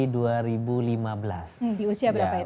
di usia berapa itu